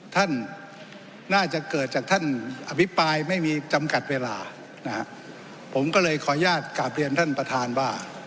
ท่านน่าจะเกิดจากท่านอภิปรายไม่มีจำกัดเวลานะฮะผมก็เลยขออนุญาตกลับเรียนท่านประธานว่า